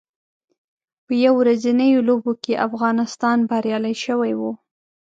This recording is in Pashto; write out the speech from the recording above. په یو ورځنیو لوبو کې افغانستان بریالی شوی و